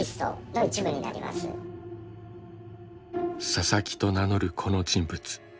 ササキと名乗るこの人物。